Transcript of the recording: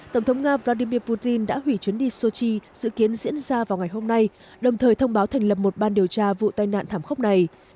tổng thống nga vladimir putin đã hủy chuyến đi sochi dự kiến diễn ra vào ngày hôm nay đồng thời thông báo thành lập một ban điều tra vụ tai nạn thảm khốc này